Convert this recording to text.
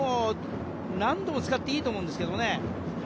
何度も使っていいと思うんですけどね。